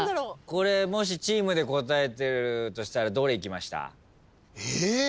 これもしチームで答えてるとしたらどれいきました？え！？